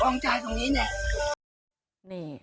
ฟ้องจ่ายตรงนี้เนี่ย